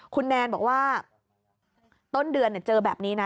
คุณแนนบอกว่าต้นเดือนเจอแบบนี้นะ